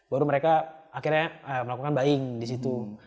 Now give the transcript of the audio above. baru mereka akhirnya melakukan buying disitu